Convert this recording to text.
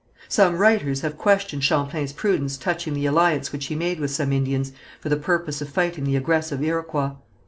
Some writers have questioned Champlain's prudence touching the alliance which he made with some Indians for the purpose of fighting the aggressive Iroquois.